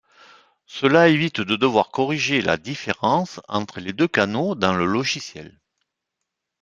Cela évite de devoir corriger la différence entre les deux canaux dans le logiciel.